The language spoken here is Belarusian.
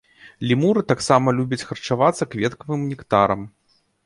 Лемуры таксама любяць харчавацца кветкавым нектарам.